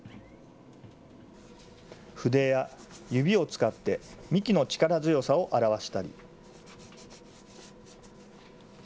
筆や指を使って、幹の力強さを表したり。